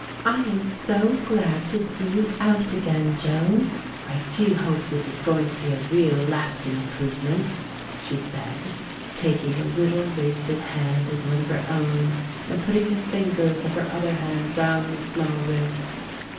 "I am so glad to see you out again, Joan; I do hope this is going to be a real lasting improvement," she said, taking a little wasted hand in one of her own and putting the fingers of her other hand round the small wrist.